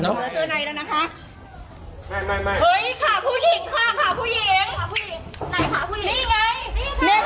ไม่ไม่ไม่ค่ะผู้หญิงค่ะค่ะผู้หญิงค่ะผู้หญิงไหนค่ะ